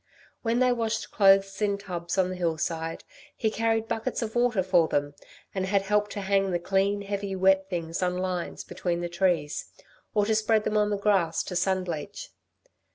When they washed clothes in tubs on the hillside, he carried buckets of water for them and had helped to hang the clean, heavy, wet things on lines between the trees; or to spread them on the grass to sun bleach.